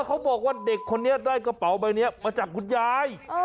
เธอบอกว่าเด็กคนนี้ได้เป็นกระเป๋าแบบนี้จากคุณยาย